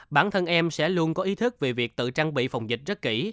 bản thân em sẽ luôn có ý thức về việc tự trang bị phòng dịch rất kỹ